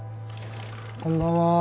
こんばんは。